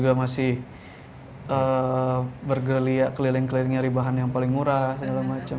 kalau masih bergelia keliling kelilingnya dari bahan yang paling murah segala macam